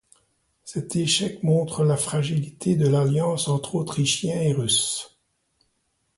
Cet échec montre la fragilité de l'alliance entre Autrichiens et Russes.